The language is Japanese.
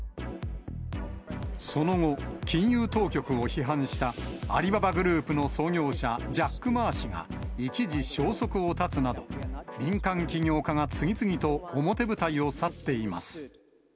その後、金融当局を批判したアリババグループの創業者、ジャック・マー氏が一時、消息を絶つなど、民間企業家が次々と表舞台を去っています。